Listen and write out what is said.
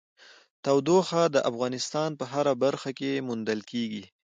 تودوخه د افغانستان په هره برخه کې موندل کېږي.